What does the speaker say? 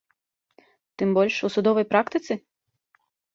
Тым больш, у судовай практыцы?